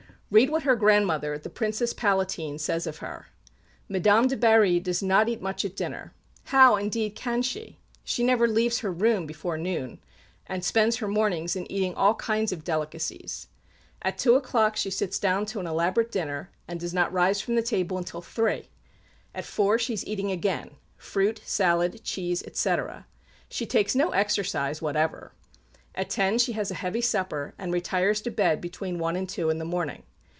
Read what her grandmother, the Princess Palatine, says of her: "Madame de Berry does not eat much at dinner. How, indeed, can she? She never leaves her room before noon, and spends her mornings in eating all kinds of delicacies. At two o'clock she sits down to an elaborate dinner, and does not rise from the table until three. At four she is eating again fruit, salad, cheese, etc. She takes no exercise whatever. At ten she has a heavy supper, and retires to bed between one and two in the morning.